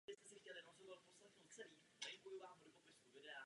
Teď však máme další tragédii, v dalekém Japonsku.